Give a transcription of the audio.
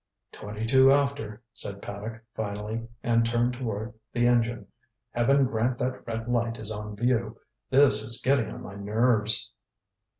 "Twenty two after," said Paddock finally, and turned toward the engine. "Heaven grant that red light is on view. This is getting on my nerves."